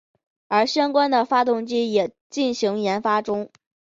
而相关的发动机也进行研发中。